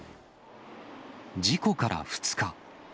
事故から２日。